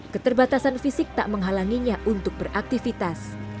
keterbatasan fisik tak menghalanginya untuk beraktivitas